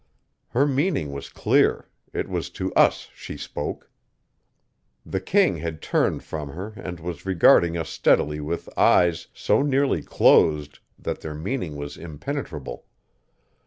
Her meaning was clear; it was to us she spoke. The king had turned from her and was regarding us steadily with eyes so nearly closed that their meaning was impenetrable.